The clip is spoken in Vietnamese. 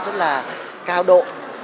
rất là cao độ